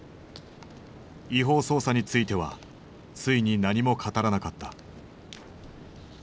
違法捜査についてはついに何も語らなかった。